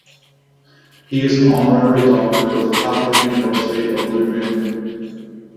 He is an honorary doctor of the Catholic University of Louvain.